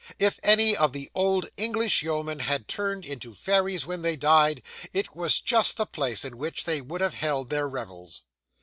If any of the old English yeomen had turned into fairies when they died, it was just the place in which they would have held their revels.